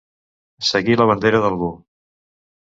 Seguir la bandera d'algú.